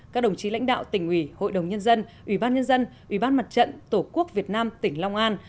các đồng chí lãnh đạo tỉnh ủy hội đồng nhân dân ủy ban nhân dân ủy ban mặt trận tổ quốc việt nam tỉnh long an